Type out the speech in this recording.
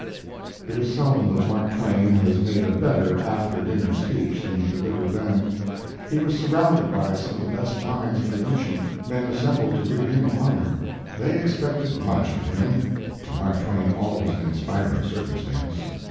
It is seldom that Mark Twain has made a better after dinner speech than he delivered then. He was surrounded by some of the best minds of the nation, men assembled to do him honor. They expected much of him to Mark Twain always an inspiring circumstance.